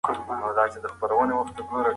اعتبار په سوداګرۍ کې تر ټولو مهم دی.